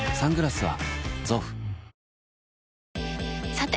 さて！